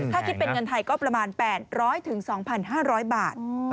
ถ้าคิดเป็นเงินไทยก็ประมาณ๘๐๐๒๕๐๐บาท